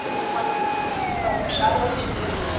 تاسي په خپلو کتابونو کې څه ګورئ؟